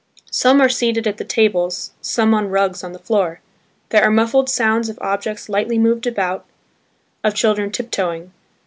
Some are seated at the tables, some on rugs on the floor. There are muffled sounds of objects lightly moved about, of children tiptoeing.